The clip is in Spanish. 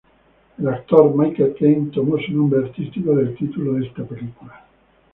El actor Michael Caine tomó su nombre artístico del título de esta película.